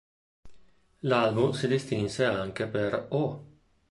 L'album si distinse anche per "Oh!